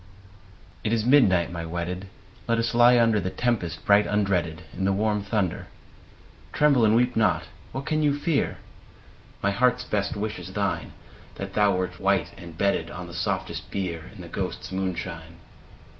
I. It is midnight, my wedded ; Let us lie under The tempest bright undreaded. In the warm thunder : (Tremble and weep not I What can you fear?) My heart's best wish is thine, — That thou wert white, and bedded On the softest bier. In the ghosts* moonshine.